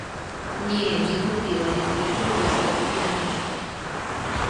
Не, не купіў, але прыйшоў вось, каб купіць нешта.